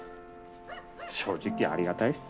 正直ありがたいっす。